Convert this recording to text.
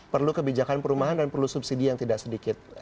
perlu kebijakan perumahan dan perlu subsidi yang tidak sedikit